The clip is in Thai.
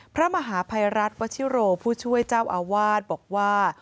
พระมหาภัยรัฐวชิโรผู้ช่วยเจ้าอาวาสบอกว่า